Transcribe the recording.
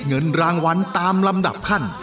เงินรางวัลตามลำดับขั้น